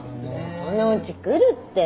そのうちくるって。